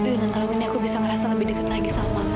dengan kalung ini aku bisa ngerasa lebih deket lagi sama mama